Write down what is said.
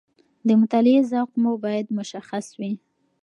د مطالعې ذوق مو باید مشخص وي.